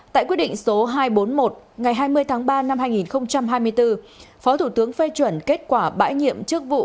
tại quyết định số hai trăm bốn mươi một ngày hai mươi tháng ba năm hai nghìn hai mươi bốn phó thủ tướng phê chuẩn kết quả bãi nhiệm chức vụ